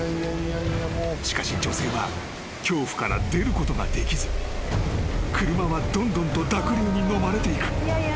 ［しかし女性は恐怖から出ることができず車はどんどんと濁流にのまれていく］